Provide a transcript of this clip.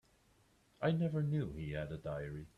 I never knew he had a diary.